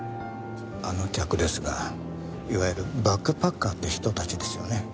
あの客ですがいわゆるバックパッカーって人たちですよね。